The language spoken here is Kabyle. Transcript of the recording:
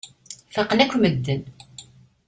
Faqen akk medden.